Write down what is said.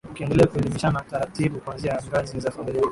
wakiendelea kuelimishana taratibu kuanzia ngazi za familia